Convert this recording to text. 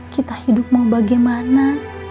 kita hidup mau bagaimana